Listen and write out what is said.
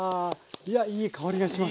いやいい香りがしますよ。